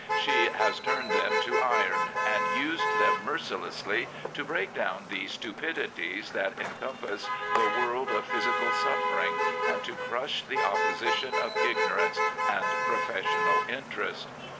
She has turned them to iron and used them mercilessly to break down the stupidities that encompass the world of physical suffering and to crush the opposition of ignorance and professional interest.